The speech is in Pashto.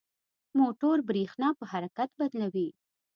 موټور برېښنا په حرکت بدلوي.